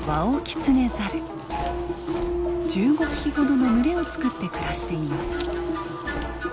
１５匹ほどの群れを作って暮らしています。